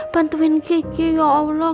bantuin gigi ya allah